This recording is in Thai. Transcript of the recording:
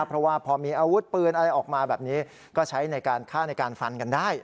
เพราะว่าพอมีอาวุธปืนอะไรออกมาแบบนี้ก็ใช้ในการฆ่าในการฟันกันได้